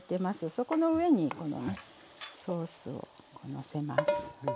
そこの上にこのねソースをのせます。